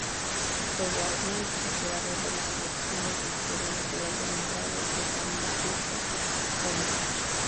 Fue guardián y curador de las colecciones de historia natural de Margrave de Brandeburgo-Colmbach.